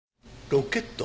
ロケット？